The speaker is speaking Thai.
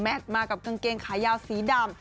มากับกางเกงขายาวสีดำ